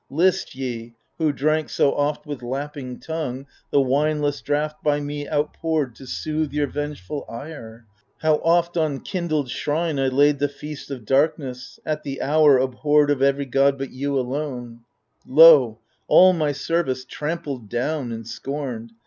List, ye who drank so oft with lapping tongue The wineless draught by me outpoured to soothe Your vengeftil ire ! how oft on kindled shrine I laid the feast of darkness, at the hour Abhorred of every god but you alone I Lo, all my service trampled down and scorned